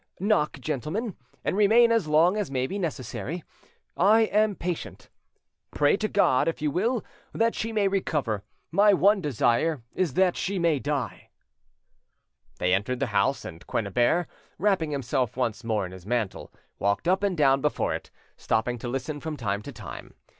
Knock, gentlemen, and remain as long as may be necessary. I am patient. Pray to God, if you will, that she may recover; my one desire is that she may die." They entered the house, and Quennebert, wrapping himself once more in his mantle, walked up and down before it, stopping to listen from time to time.